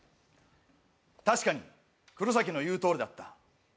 確かにクロサキの言うとおりだった。